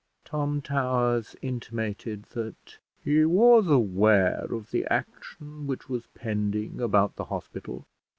Tom Towers intimated that he was aware of the action which was pending about the hospital.